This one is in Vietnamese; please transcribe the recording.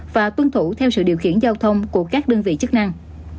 và tuân thủ theo sự điều khiển giao thông của các đơn vị chức năng